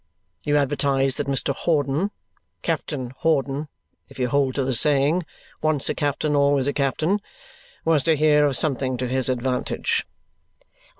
You advertised that Mr. Hawdon (Captain Hawdon, if you hold to the saying 'Once a captain, always a captain') was to hear of something to his advantage."